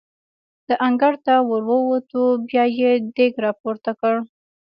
د انګړ ته ور ووتو، بیا یې دېګ را پورته کړ.